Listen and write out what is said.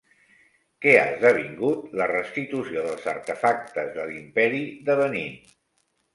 Què ha esdevingut la restitució dels artefactes de l'Imperi de Benín?